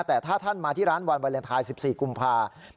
แต่ถ้าท่านมาที่ร้านวันวาเลนไทย๑๔กุมภาคม